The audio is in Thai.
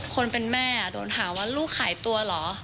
คนเป็นแม่โดนหาว่าลูกหายตัวเหรอ